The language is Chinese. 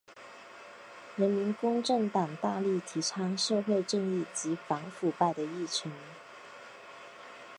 人民公正党大力提倡社会正义及反腐败的议程。